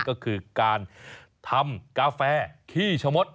ก็คือการทำกาแฟขี้ชะมด